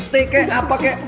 teh kek apa kek